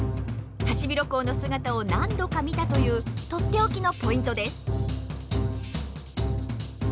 ハシビロコウの姿を何度か見たというとっておきのポイントです。